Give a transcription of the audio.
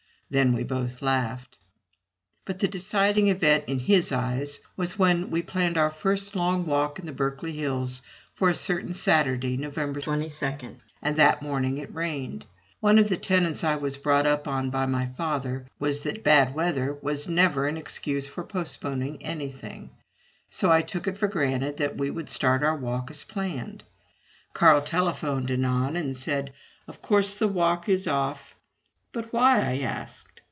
Then we both laughed. But the deciding event in his eyes was when we planned our first long walk in the Berkeley hills for a certain Saturday, November 22, and that morning it rained. One of the tenets I was brought up on by my father was that bad weather was never an excuse for postponing anything; so I took it for granted that we would start on our walk as planned. Carl telephoned anon and said, "Of course the walk is off." "But why?" I asked.